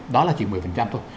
đó là chỉ một mươi thôi